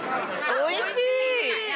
おいしい！